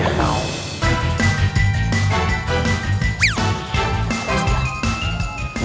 apaan itu dia